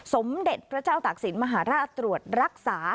สมเด็จพระเจ้าตากศิลปมหาราชตรวจรักษา